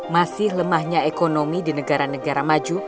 masih lemahnya ekonomi di negara negara maju